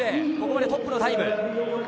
ここまでトップのタイム。